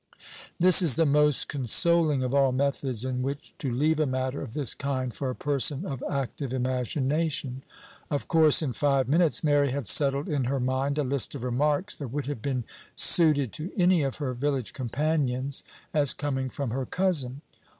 This is the most consoling of all methods in which to leave a matter of this kind for a person of active imagination. Of course, in five minutes, Mary had settled in her mind a list of remarks that would have been suited to any of her village companions, as coming from her cousin.